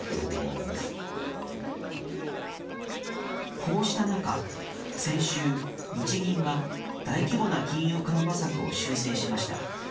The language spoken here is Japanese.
こうした中、先週、日銀は大規模な金融緩和策を修正しました。